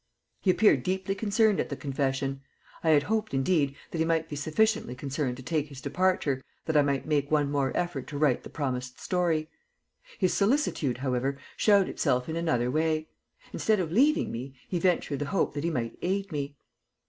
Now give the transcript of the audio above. He appeared deeply concerned at the confession. I had hoped, indeed, that he might be sufficiently concerned to take his departure, that I might make one more effort to write the promised story. His solicitude, however, showed itself in another way. Instead of leaving me, he ventured the hope that he might aid me.